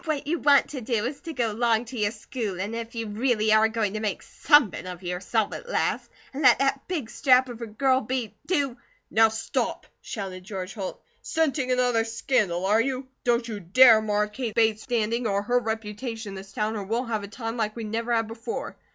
What you want to do is to go long to your schoolin', if you reely are going to make somepin of yourself at last, an' let that big strap of a girl be, do " "Now, stop!" shouted George Holt. "Scenting another scandal, are you? Don't you dare mar Kate Bates' standing, or her reputation in this town, or we'll have a time like we never had before.